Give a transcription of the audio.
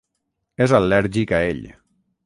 És al·lèrgic a ell.